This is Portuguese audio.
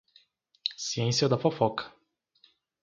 Ciência da fofoca